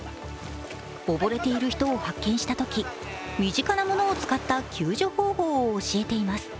溺れている人を発見したとき身近なものを使った救助方法を教えています。